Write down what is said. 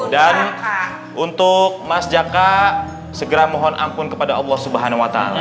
dan untuk mas zaky segera mohon ampun kepada allah swt